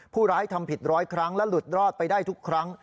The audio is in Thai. ผู้ร้ายทำผิดร้อยครั้งและหลุดรอดไปได้ทุกครั้ง